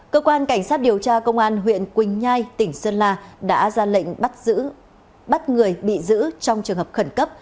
cơ quan cảnh sát điều tra công an huyện quỳnh nhai tỉnh sơn la đã ra lệnh bắt người bị giữ trong trường hợp khẩn cấp